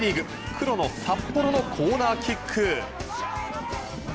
黒の札幌のコーナーキック。